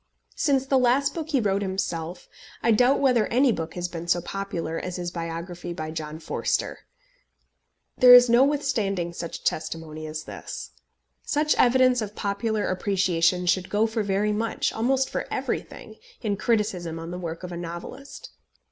Since the last book he wrote himself, I doubt whether any book has been so popular as his biography by John Forster. There is no withstanding such testimony as this. Such evidence of popular appreciation should go for very much, almost for everything, in criticism on the work of a novelist.